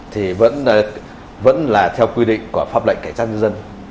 thì vẫn là theo quy định của pháp lệnh kẻ sát nhân dân